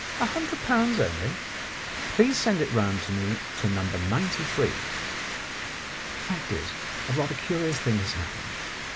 A hundred pounds only ! Please send it round to me to No. 93. The fact is, a rather curious thing has happened.